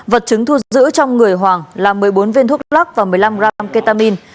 vật chứng thu giữ trong người hoàng là một mươi bốn viên thuốc lắc và một mươi năm gram ketamin